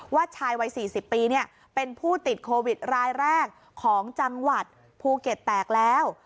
ชายวัย๔๐ปีเป็นผู้ติดโควิดรายแรกของจังหวัดภูเก็ตแตกแล้ว